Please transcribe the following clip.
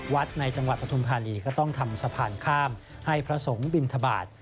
วัดในจังหวัดปฐุมธานีก็ต้องทำสะพานข้ามให้พระสงฆ์บินทบาท